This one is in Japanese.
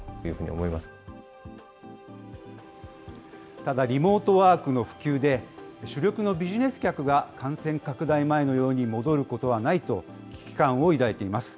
ただ、リモートワークの普及で、主力のビジネス客が感染拡大前のように戻ることはないと危機感を抱いています。